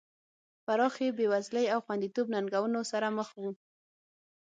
پراخې بېوزلۍ او خوندیتوب ننګونو سره مخ وو.